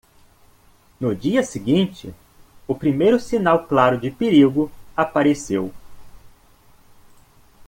No dia seguinte?, o primeiro sinal claro de perigo apareceu.